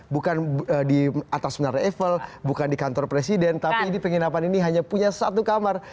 bukan di atas menara eiffle bukan di kantor presiden tapi ini penginapan ini hanya punya satu kamar